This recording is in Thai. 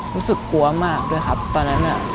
รู้สึกกลัวมากด้วยครับตอนนั้นน่ะ